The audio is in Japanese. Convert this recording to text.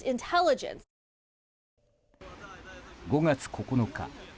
５月９日